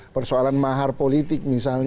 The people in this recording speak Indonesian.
persoalan mahar politik misalnya